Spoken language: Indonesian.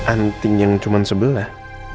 anting yang cuma sebelah